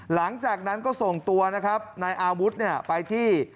หลังจากนั้นก็ส่งตัวนายอาวุธไปที่